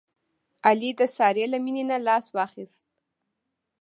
علي د سارې له مینې نه لاس واخیست.